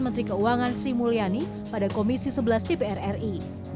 menteri keuangan sri mulyani pada komisi sebelas dpr ri